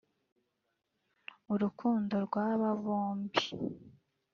urukundo rw’aba bombi